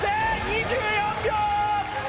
２４秒！